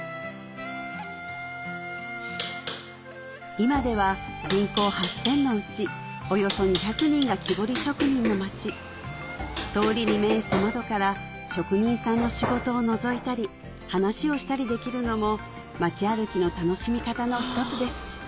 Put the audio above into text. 今では人口８０００のうちおよそ２００人が木彫り職人の町通りに面した窓から職人さんの仕事をのぞいたり話をしたりできるのも町歩きの楽しみ方の一つです